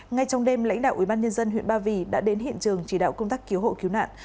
ngay trong đêm lãnh đạo ubnd huyện ba vì đã đến hiện trường chỉ đạo công tác cứu hộ cứu nạn